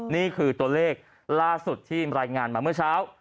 นี่คือตัวเลขล่าสุดที่รายงานมาเมื่อเช้า